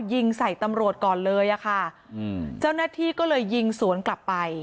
ยิงใส่ตำรวจก่อนเลยอ่ะค่ะอืมเจ้าหน้าที่ก็เลยยิงสวนกลับไป